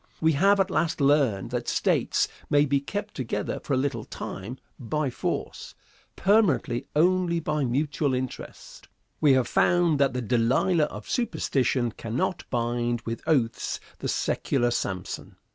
We have at last learned that States may be kept together for a little time, by force; permanently only by mutual interests. We have found that the Delilah of superstition cannot bind with oaths the secular Samson.